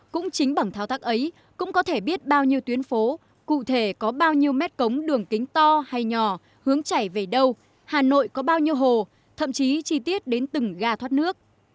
cũng chính bằng thao tác ấy cũng có thể biết bao nhiêu tuyến phố cụ thể có bao nhiêu mét cống đường kính to hay nhỏ hướng chảy về đâu hà nội có bao nhiêu hồ thậm chí chi tiết đến từng ga thoát nước